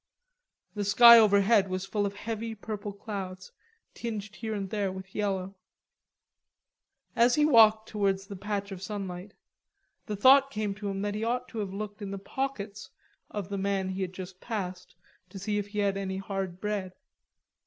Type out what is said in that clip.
The sky overhead was full of heavy purple clouds, tinged here and there with yellow. As he walked towards the patch of sunlight, the thought came to him that he ought to have looked in the pockets of the man he had just passed to see if he had any hard bread.